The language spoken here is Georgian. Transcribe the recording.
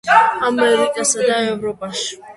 ამერიკასა და ევროპაში.